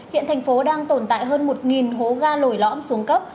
hiện thành phố đang tồn tại hơn một hố ga lồi lõm xuống cấp